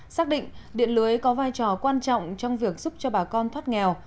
xác định điện lưới có vai trò quan trọng trong việc giúp cho bà con thoát nghèo